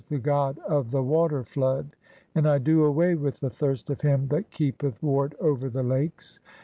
the god of the water flood), "and I do away with the thirst of him that keepeth ward over "the Lakes.